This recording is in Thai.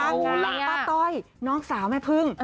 เอาล่ะคุณล้างป้าต้อยน้องสาวแม่พึ่ง